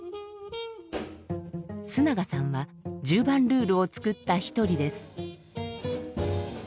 須永さんは十番ルールを作った一人です。